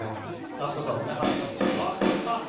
飛鳥さんもね張り直して。